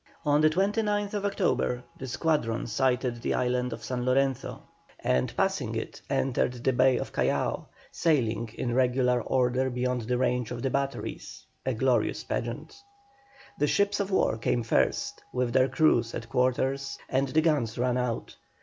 On the 29th October the squadron sighted the island of San Lorenzo, and, passing it, entered the Bay of Callao, sailing in regular order beyond the range of the batteries, a glorious pageant. The ships of war came first, with their crews at quarters and the guns run out.